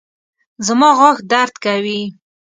زما غاښ درد کوي